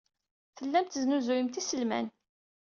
Tellamt tesnuzuyemt iselman.